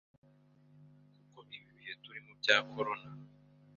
kuko ibi bihe turimo bya corona